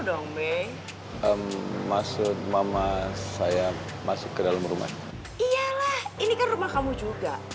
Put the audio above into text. dongeng maksud mama saya masuk ke dalam rumah iyalah ini kan rumah kamu juga